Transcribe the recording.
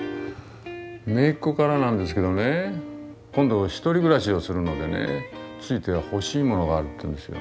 めいっ子からなんですけどね今度１人暮らしをするのでねついては欲しいものがあるって言うんですよ。